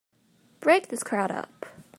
Break this crowd up!